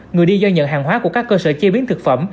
người đi giao nhận hàng hóa của các cơ sở chế biến thực phẩm